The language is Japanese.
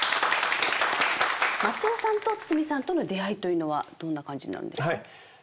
松尾さんと筒美さんとの出会いというのはどんな感じになるんですか？